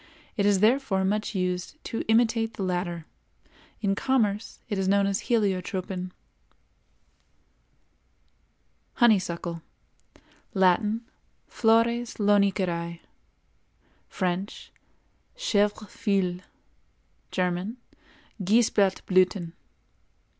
It is therefore much used to imitate the latter. In commerce it is known as heliotropin. HONEYSUCKLE. Latin—Flores Loniceræ; French—Chèvre feuille; German— Geisblattblüthen.